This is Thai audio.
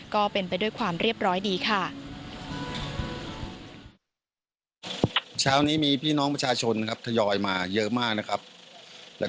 ก็เป็นไปด้วยความเรียบร้อยดีค่ะ